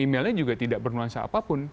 emailnya juga tidak bernuansa apapun